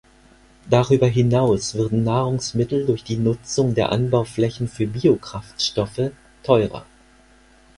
Darüber hinaus würden Nahrungsmittel durch die Nutzung der Anbauflächen für Biokraftstoffe teurer.